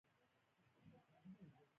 وبښئ تاريکي مې خوښېږي.